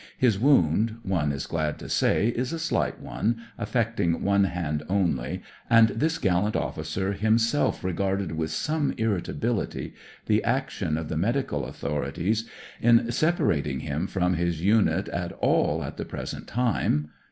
His wound, one is glad to say, is a slight one, affecting one hand only, and this gallant officer himself regarded with some irrita bility the action of the medical authori ties in separating him from his unit at all at the present time.